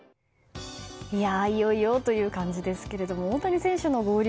いよいよという感じですが大谷選手の合流